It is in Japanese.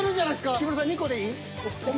木村さん２個でいい。